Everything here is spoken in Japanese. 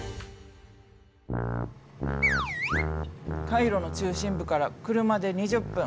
カイロの中心部から車で２０分。